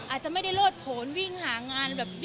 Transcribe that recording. อาจจะไม่ได้โลดผลวิ่งหางานแบบ